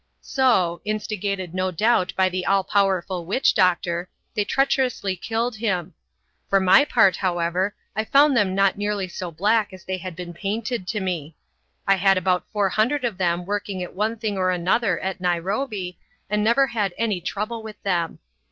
So instigated no doubt by the all powerful witch doctor they treacherously killed him. For my part, however, I found them not nearly so black as they had been painted to me. I had about four hundred of them working at one thing or another at Nairobi and never had any trouble with them.